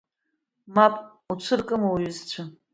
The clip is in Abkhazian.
Мап уцәыркма уҩызцәа?